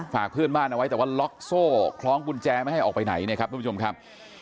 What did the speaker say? ฝากเพื่อนบ้านเอาไว้แต่ว่าล็อกโซ่คล้องกุญแจไม่ให้ออกไปไหนเนี่ยครับทุกผู้ชมครับ